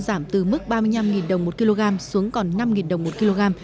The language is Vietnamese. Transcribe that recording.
giảm từ mức ba mươi năm đồng một kg xuống còn năm đồng một kg